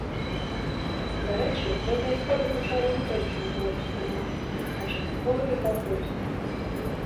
Дарэчы, гэтыя творы гучалі не толькі на беларускай мове, а часткова і па-польску.